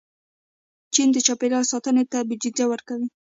چین د چاپېریال ساتنې ته بودیجه ورکوي.